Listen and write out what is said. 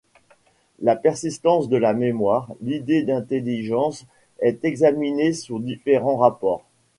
La Persistance de la mémoireL’idée d’intelligence est examinée sous différents rapports.